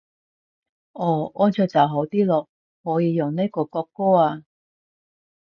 哦安卓就好啲囉，可以用呢個穀歌啊